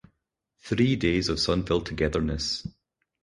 Three days of sun-filled togetherness.